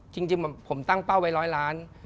จริงผมตั้งเป้าไว้๑๐๐ล้าน